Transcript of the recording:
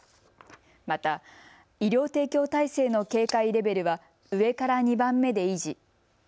また、医療提供体制の警戒レベルは上から２番目で維持。